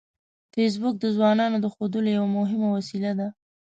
فېسبوک د ځوانانو د ښودلو یوه مهمه وسیله ده